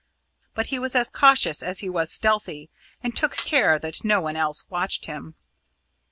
But he was as cautious as he was stealthy, and took care that no one else watched him.